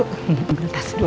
ambil tas dulu